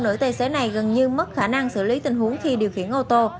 nữ tài xế này gần như mất khả năng xử lý tình huống khi điều khiển ô tô